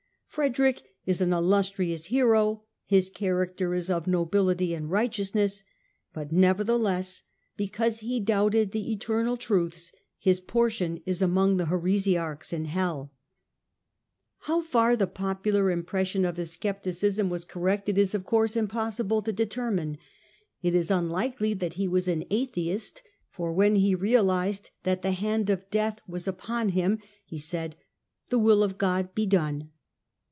Frederick is an " illustrious hero," his character is " of nobility and righteousness "; but nevertheless, because he doubted the eternal truths, his portion is among the heresiarchs in hell. How far the popular impression of his scepticism was 290 STUPOR MUNDI correct it is, of course, impossible to determine. It is unlikely that he was an atheist, for when he realised that the hand of death was upon him, he said, " The will of God be done."